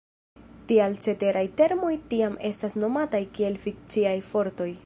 Tial la ceteraj termoj tiam estas nomataj kiel "fikciaj fortoj".